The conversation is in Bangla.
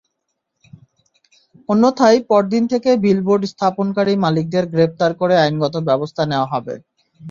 অন্যথায় পরদিন থেকে বিলবোর্ড স্থাপনকারী মালিকদের গ্রেপ্তার করে আইনগত ব্যবস্থা নেওয়া হবে।